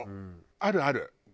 あるある。